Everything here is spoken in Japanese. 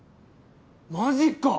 マジか！